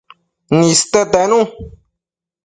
niste tenu